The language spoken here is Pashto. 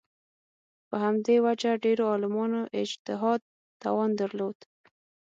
په همدې وجه ډېرو عالمانو اجتهاد توان درلود